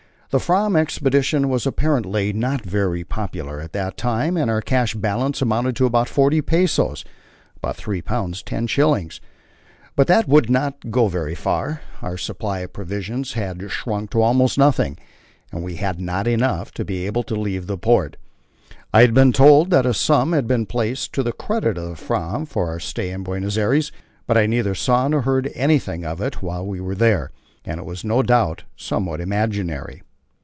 The Fram Expedition was apparently not very popular at that time, and our cash balance amounted to about forty pesos (about (L)3 10s.), but that would not go very far; our supply of provisions had shrunk to almost nothing, and we had not enough to be able to leave the port. I had been told that a sum had been placed to the credit of the Fram for our stay in Buenos Aires, but I neither saw nor heard anything of it while we were there, and it was no doubt somewhat imaginary.